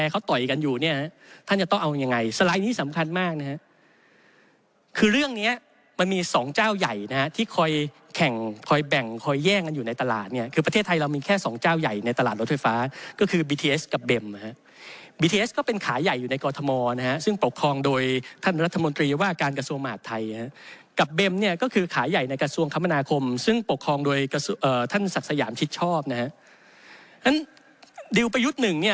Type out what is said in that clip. คือเรื่องเนี้ยมันมีสองเจ้าใหญ่นะฮะที่คอยแข่งคอยแบ่งคอยแย่งกันอยู่ในตลาดเนี้ยคือประเทศไทยเรามีแค่สองเจ้าใหญ่ในตลาดรถไฟฟ้าก็คือบีทีเอสกับเบมนะฮะบีทีเอสก็เป็นขายใหญ่อยู่ในกอร์ธมอลนะฮะซึ่งปกครองโดยท่านรัฐมนตรีว่าการกระทรวงมาตรไทยนะฮะกับเบมเนี้ยก็คือขายใหญ